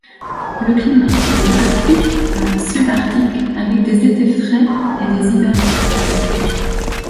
Le climat est arctique à subarctique avec des étés frais et des hivers froids.